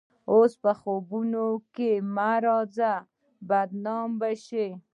اوس په خوبونو کښې هم مه راځه بدنامه به شې